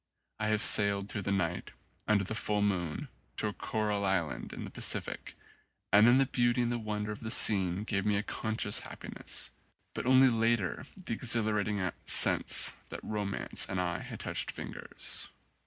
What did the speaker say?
I have sailed through the night, under the full moon, to a coral island in the Pacific, and then the beauty and the wonder of the scene gave me a conscious happiness, but only later the exhilarating sense that romance and I had touched fingers.